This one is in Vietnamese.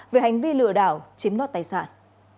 về hành vi lừa đảo chiếm đoạt tài sản